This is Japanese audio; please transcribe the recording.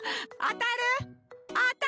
あたる！